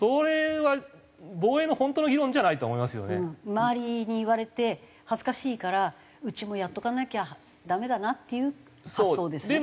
周りに言われて恥ずかしいからうちもやっとかなきゃダメだなっていう発想ですね。